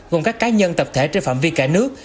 gồm các cá nhân tập thể trên phạm vi cả nước